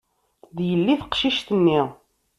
D yelli teqcict-nni.